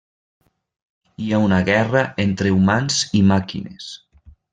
Hi ha una guerra entre humans i màquines.